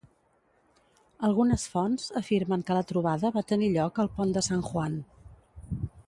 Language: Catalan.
Algunes fonts afirmen que la trobada va tenir lloc al pont de San Juan.